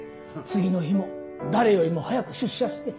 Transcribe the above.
次の日も誰よりも早く出社して。